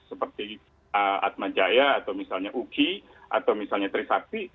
seperti atmajaya atau misalnya uki atau misalnya trisakti